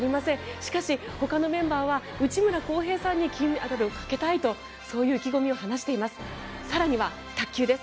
しかし、ほかのメンバーは内村航平さんに金メダルをかけたいとそういう意気込みを話しています。